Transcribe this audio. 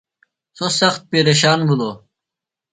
سوۡ سخت پیرشان بِھلوۡ۔